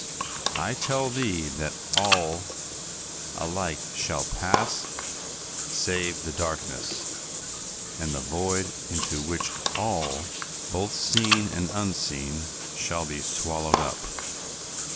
I tell thee that all alike shall pass save the darkness and the void into which all, both seen and unseen shall be swallowed up.